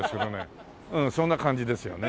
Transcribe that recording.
そんな感じですよね。